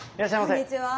こんにちは。